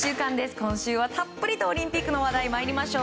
今週はたっぷりとオリンピックの話題まいりましょう。